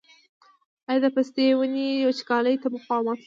آیا د پستې ونې وچکالۍ ته مقاومت لري؟